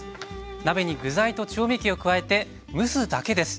鍋に具材と調味料を加えて蒸すだけです。